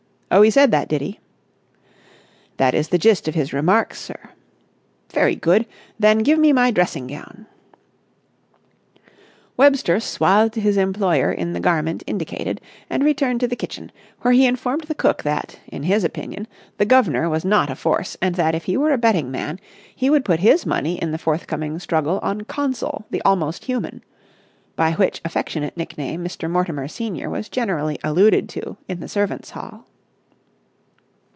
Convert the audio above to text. "Oh, he said that, did he?" "That is the gist of his remarks, sir." "Very good! Then give me my dressing gown!" Webster swathed his employer in the garment indicated, and returned to the kitchen, where he informed the cook that, in his opinion, the guv'nor was not a force, and that, if he were a betting man, he would put his money in the forthcoming struggle on Consul, the Almost Human—by which affectionate nickname Mr. Mortimer senior was generally alluded to in the servants' hall.